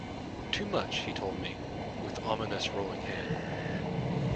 Too much, he told me, with ominous rolling head.